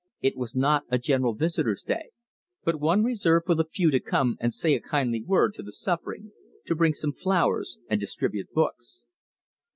It was not a general visitors' day, but one reserved for the few to come and say a kindly word to the suffering, to bring some flowers and distribute books.